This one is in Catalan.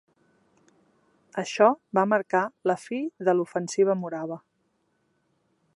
Això va marcar la fi de l'ofensiva Morava.